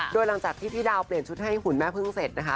โดยหลังจากที่พี่ดาวเปลี่ยนชุดให้หุ่นแม่พึ่งเสร็จนะคะ